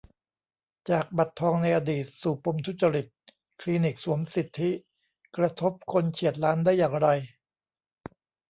จาก 'บัตรทอง' ในอดีต สู่ปมทุจริต 'คลินิกสวมสิทธิ' กระทบคนเฉียดล้านได้อย่างไร ?